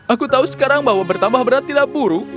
aku tahu sekarang bahwa bertambah berat tidak buruk